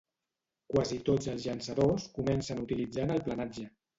Quasi tots els llançadors comencen utilitzant el planatge.